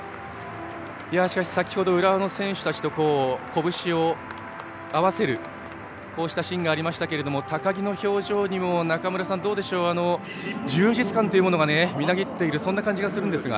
しかし、先ほど浦和の選手たちとこぶしを合わせるそういうシーンがありましたが高木の表情にも、中村さん充実感というものがみなぎっている感じがするんですが。